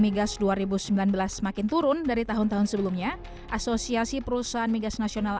migas dua ribu sembilan belas semakin turun dari tahun tahun sebelumnya asosiasi perusahaan migas nasional